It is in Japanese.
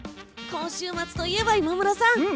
今週末といえば今村さん